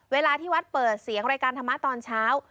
เวลาที่วัดเปิดเสียงรายการธรรมะตอนเช้า